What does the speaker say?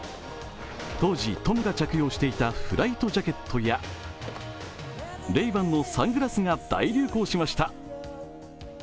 当時、トムが着用していたフライトジャケットやレイバンのサングラスが大流行しました。